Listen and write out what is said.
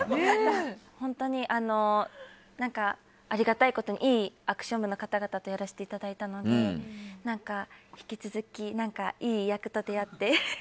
本当に、ありがたいことにいいアクション部の方々とやらせていただいたので引き続き、いい役と出会って。